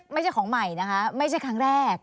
ไม่ใช่ของใหม่นะคะไม่ใช่ครั้งแรก